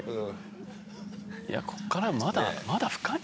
いやここからまだ深い。